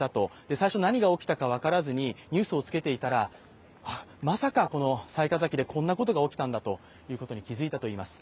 最初何が起きたか分からずにニュースをつけていたら、まさかこの雑賀崎でこんなことが起きたんだと気づいたといいます。